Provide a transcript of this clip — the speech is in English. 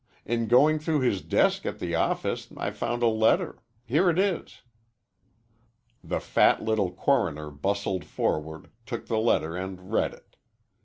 In going through his desk at the office I found a letter. Here it is." The fat little coroner bustled forward, took the letter, and read it.